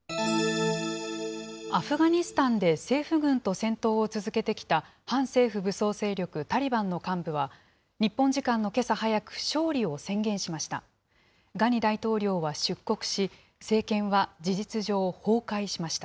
アフガニスタンで政府軍と戦闘を続けてきた反政府武装勢力タリバンの幹部は、日本時間のけさ早く、勝利を宣言しました。